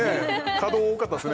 稼働多かったですね